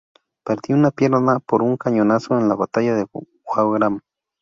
Perdió una pierna por un cañonazo en la Batalla de Wagram.